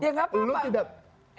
ya tidak apa apa